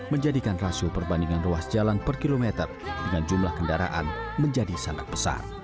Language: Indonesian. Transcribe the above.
menjadikan rasio perbandingan ruas jalan per kilometer dengan jumlah kendaraan menjadi sangat besar